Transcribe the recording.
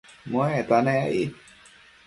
muecta nec aid